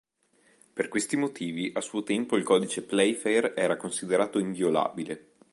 Per questi motivi, a suo tempo, il codice Playfair era considerato inviolabile.